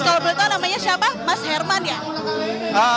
kalau boleh tahu namanya siapa mas herman ya